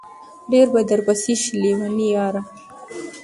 ډېر به درپسې شي لېوني ياره